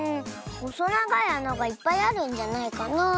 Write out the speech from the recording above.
ほそながいあながいっぱいあるんじゃないかなあって。